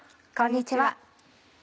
こんにちは。